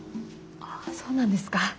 あっそうなんですか。